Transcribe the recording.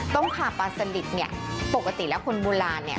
ขาปลาสลิดเนี่ยปกติแล้วคนโบราณเนี่ย